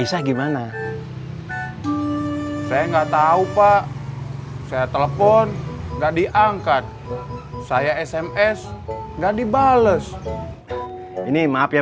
bisa gimana saya enggak tahu pak saya telepon nggak diangkat saya sms nggak dibales ini maaf ya